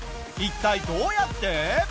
一体どうやって？